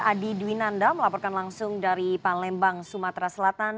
adi dwi nanda melaporkan langsung dari palembang sumatera selatan